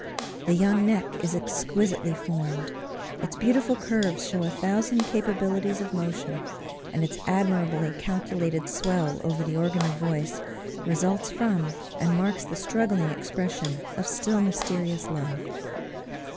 The young neck is exquisitely formed. Its beautiful curves show a thousand capabilities of motion; and its admirably calculated swell over the organ of voice, results from, and marks the struggling expression of still mysterious love.